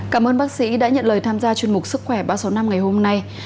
cảm ơn bác sĩ đã nhận lời tham gia chuyên mục sức khỏe ba trăm sáu mươi năm ngày hôm nay